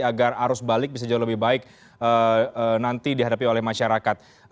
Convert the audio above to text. agar arus balik bisa jauh lebih baik nanti dihadapi oleh masyarakat